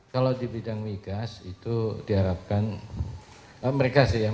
kalau di bidang migas itu diharapkan